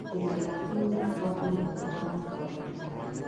دولتي ورځپاڼې معلومات خپروي